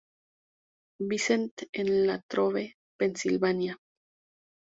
Vincent en Latrobe, Pensilvania.